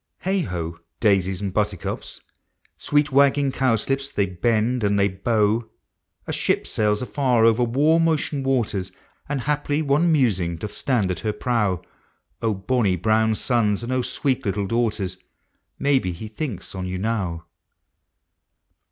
Digitized by Google ABOUT CHILDREN. 37 Heigh ho ! daisies and buttercups, Sweet wagging cowslips, they bend and they bow ; A ship sails afar over warm ocean waters, And haply one musing doth stand at her prow. O bonny brown sons, and O sweet little daughters. Maybe he thinks on you now